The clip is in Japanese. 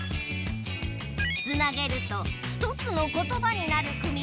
つなげると１つのことばになる組み合わせがある。